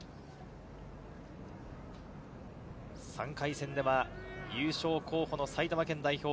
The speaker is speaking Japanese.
３回戦では優勝候補の埼玉県代表。